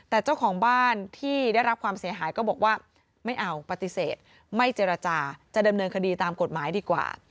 แต่เจ้าของบ้านที่ได้รับความเสียหายก็บอกว่าไม่เอาปฏิเสธไม่เจรจาจะดำเนินคดีตามกฎหมายดีกว่า